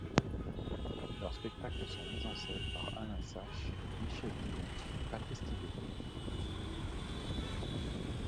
Leurs spectacles sont mis en scène par Alain Sachs, Michèle Guigon et Patrice Thibaud.